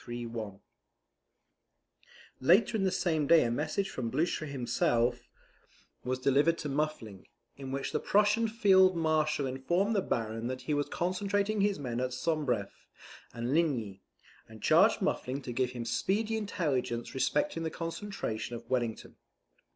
] Later in the same day a message from Blucher himself was delivered to Muffling, in which the Prussian Field Marshal informed the Baron that he was concentrating his men at Sombref and Ligny, and charged Muffling to give him speedy intelligence respecting the concentration of Wellington.